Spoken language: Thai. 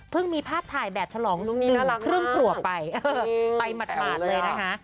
เพิ่งมีภาพถ่ายแบบฉลองลูกนี้น่ารักมากหนึ่งครึ่งหัวไปเออไปหมดหมดเลยนะคะ